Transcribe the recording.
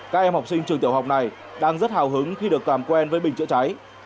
các em học sinh trường tiểu học này đang rất hào hứng khi được làm quen với bình chữa cháy